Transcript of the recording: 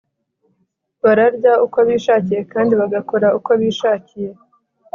bararya uko bishakiye kandi bagakora uko bishakiye